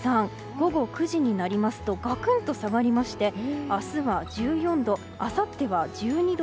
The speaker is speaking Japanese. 午後９時になりますとがくんと下がりまして明日は１４度あさっては１２度。